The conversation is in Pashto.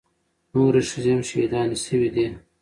نورې ښځې هم شهيدانې سوې دي.